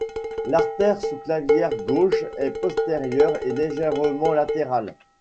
L'artère sous-clavière gauche est postérieure et légèrement latérale.